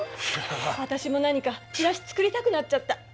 私も何かチラシ作りたくなっちゃった。